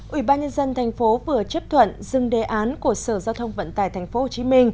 ủy ban nhân dân tp vừa chấp thuận dừng đề án của sở giao thông vận tải tp hcm